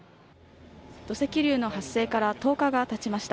土石流の発生から１０日がたちました。